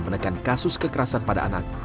menekan kasus kekerasan pada anak